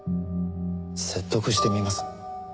説得してみます。